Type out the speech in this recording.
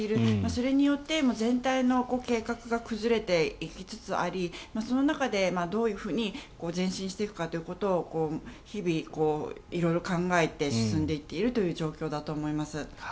それによって全体の計画が崩れていきつつありその中でどういうふうに前進していくかということを日々、色々考えて進んでいっているという状況だと思います。